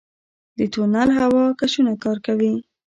د تونل هوا کشونه کار کوي؟